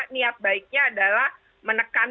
niat baiknya adalah menekan